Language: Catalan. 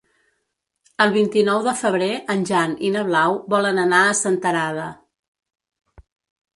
El vint-i-nou de febrer en Jan i na Blau volen anar a Senterada.